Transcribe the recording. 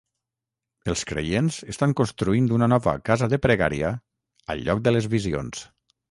Els creients estan construint una nova "Casa de pregària" al lloc de les visions.